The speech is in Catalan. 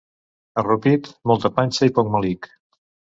A Rupit, molta panxa i poc melic.